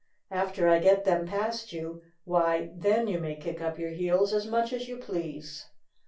After I get them past you, why, then you may kick up your heels as much as you please."